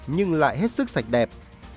nhưng lại hết sức sạch đẹp